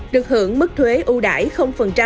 được hưởng mức phí của sầu riêng việt nam